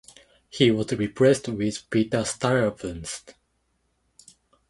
He was replaced with Peter Stuyvesant.